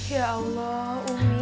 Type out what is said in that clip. ya allah umi